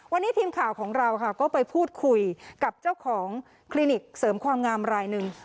วันนี้ทีมข่าวของเราค่ะก็ไปพูดคุยกับเจ้าของคลินิกเสริมความงามรายหนึ่ง